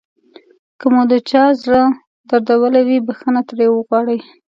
که مو د چا زړه دردولی وي بښنه ترې وغواړئ.